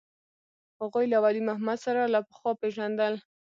هغوى له ولي محمد سره له پخوا پېژندل.